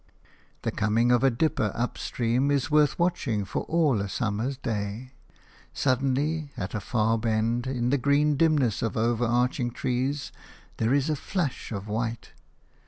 The coming of a dipper up stream is worth watching for all a summer day. Suddenly, at a far bend, in the green dimness of overarching trees, there is a flash of white.